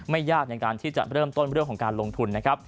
ยากในการที่จะเริ่มต้นเรื่องของการลงทุนนะครับ